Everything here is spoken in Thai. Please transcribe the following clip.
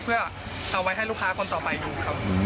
เพื่อเอาไว้ให้ลูกค้าคนต่อไปดูครับ